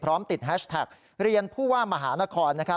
ติดแฮชแท็กเรียนผู้ว่ามหานคร